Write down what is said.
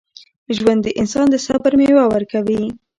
ژوند د انسان د صبر میوه ورکوي.